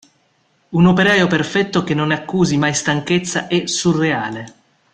Un operaio perfetto che non accusi mai stanchezza è surreale.